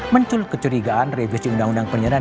mencul kecurigaan revisi undang undang penyiaran